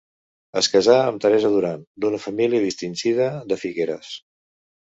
Es casà amb Teresa Duran d'una família distingida de Figueres.